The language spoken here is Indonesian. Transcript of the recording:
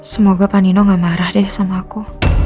semoga pan dino gak marah deh sama aku